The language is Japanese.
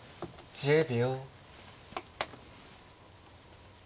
１０秒。